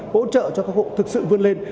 hỗ trợ cho các hộ thực sự vươn lên